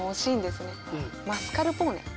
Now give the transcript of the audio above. マスカルポーネ。